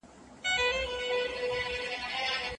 موږ بايد خپل وخت په ګټه وکاروو او بېځايه کارونه پرېږدو.